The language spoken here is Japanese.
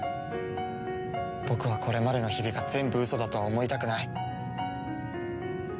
僕はこれまでの日々が全部ウソだとは思いたくない。